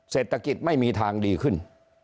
เศรษฐกิจไม่มีทางดีขึ้น